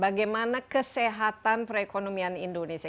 bagaimana kesehatan perekonomian indonesia